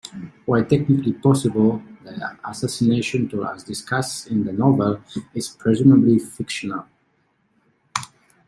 While technically possible, the assassination tool as discussed in the novel is presumably fictional.